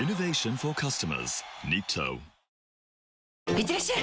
いってらっしゃい！